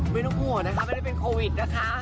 ไม่ต้องห่วงนะคะไม่ได้เป็นโควิดนะคะ